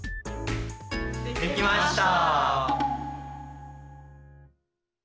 できました。